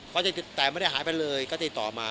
เขาเจอจิตแต่ไม่หายไปเลยก็ติดต่อมา